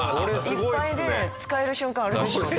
いっぱいね使える瞬間あるでしょうね。